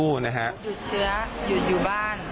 หยุดเชื้อหยุดอยู่บ้าน